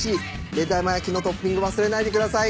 目玉焼きのトッピング忘れないでください。